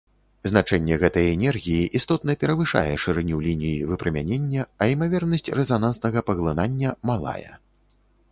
Значэнне гэтай энергіі істотна перавышае шырыню лініі выпрамянення, а імавернасць рэзананснага паглынання малая.